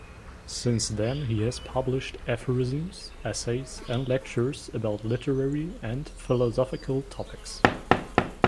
Since then, he has published aphorisms, essays and lectures about literary and philosophical topics.